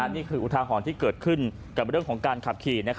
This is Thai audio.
อุทาหรณ์ที่เกิดขึ้นกับเรื่องของการขับขี่